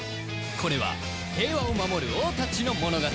これは平和を守る王たちの物語